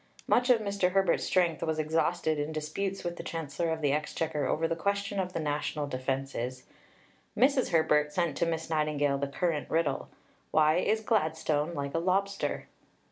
Much of Mr. Herbert's strength was exhausted in disputes with the Chancellor of the Exchequer over the question of the national defences. Mrs. Herbert sent to Miss Nightingale the current riddle: "Why is Gladstone like a lobster?"